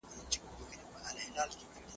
تاسي ولي داسي تېز ځئ کرار کرار قدم اخله.